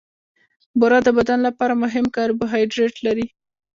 بوره د بدن لپاره مهم کاربوهایډریټ لري.